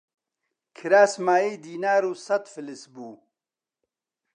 کراس مایەی دینار و سەت فلس بوو